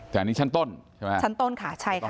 แต่อันนี้ชั้นต้นใช่ไหมชั้นต้นค่ะใช่ค่ะ